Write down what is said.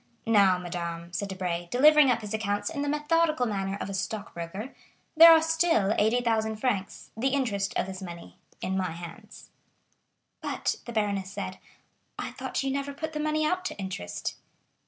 Now, madame," said Debray, delivering up his accounts in the methodical manner of a stockbroker, "there are still 80,000 francs, the interest of this money, in my hands." "But," said the baroness, "I thought you never put the money out to interest."